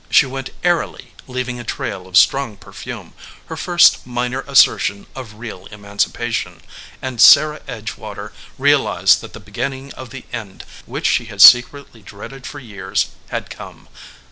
She went airily, leaving a trail of strong perfume, her first minor assertion of real emancipation, and Sarah Edge water realized that the beginning of the end, which she had secretly dreaded for years, had come.